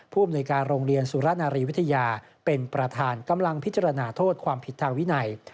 ผู้อำนวยการโรงเรียนสุรนารีวิทยาเป็นประธานกำลังพิจารณาโทษความผิดทางวินัย